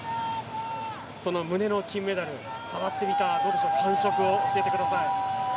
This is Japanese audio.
胸の金メダル触ってみた感触を教えてください。